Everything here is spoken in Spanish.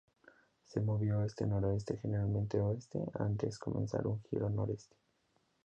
Se movió oeste-noroeste generalmente oeste antes de comenzar un giro noreste.